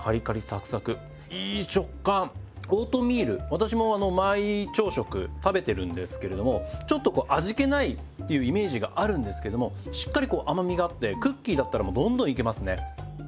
私もあの毎朝食食べてるんですけれどもちょっとこう味気ないっていうイメージがあるんですけどもしっかりこう甘みがあってクッキーだったらもうどんどんいけますね。